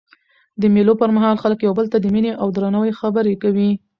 د مېلو پر مهال خلک یو بل ته د میني او درناوي خبري کوي.